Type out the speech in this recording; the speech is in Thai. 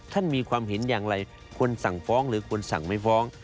ท่านมีความเห็นอย่างไรควรสั่งฟ้องหรือควรสั่งไม่ฟ้อง